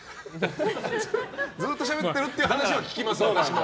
ずっとしゃべってるという話は聞きます、私も。